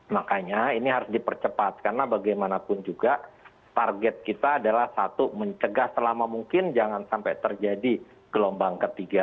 makanya ini harus dipercepat karena bagaimanapun juga target kita adalah satu mencegah selama mungkin jangan sampai terjadi gelombang ketiga